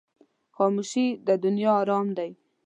خاموشي، د دنیا آرام دی.